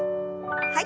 はい。